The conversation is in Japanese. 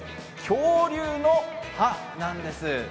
恐竜の歯なんです。